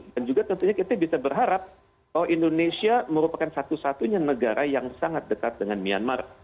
dan juga tentunya kita bisa berharap bahwa indonesia merupakan satu satunya negara yang sangat dekat dengan myanmar